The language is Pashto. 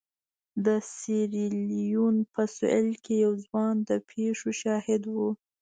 د سیریلیون په سوېل کې یو ځوان د پېښو شاهد و.